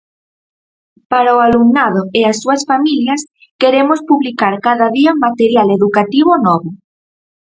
Para o alumnado e as súas familias queremos publicar cada día material educativo novo.